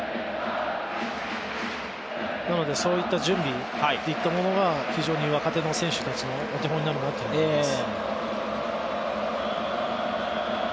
そういった準備といったものが非常に若手の選手たちのお手本になるかなと思います。